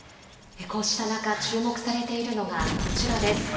こうした中、注目されているのがこちらです。